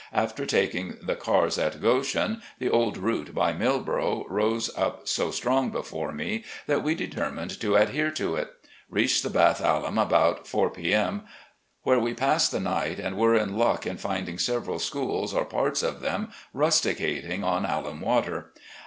After taking the cars at Goshen, the old route by Milboro' rose up so strong before me that we determined to adhere to it. Reached the Bath Alum about 4:00 p. m., where we passed the night and were in luck in finding several schools or parts of them rusticating on alum water.